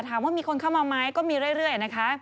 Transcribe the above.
ถามว่ามีคนเข้ามาไหมก็มีเรื่อยนะคะ